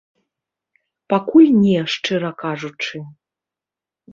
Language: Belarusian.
Пакуль не, шчыра кажучы.